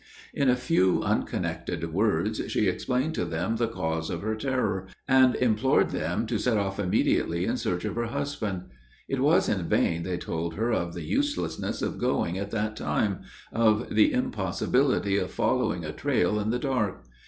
In a few unconnected words, she explained to them the cause of her terror, and implored them to set off immediately in search of her husband. It was in vain they told her of the uselessness of going at that time of the impossibility of following a trail in the dark.